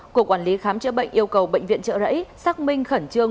cục quản lý khám chữa bệnh yêu cầu bệnh viện trợ rẫy xác minh khẩn trương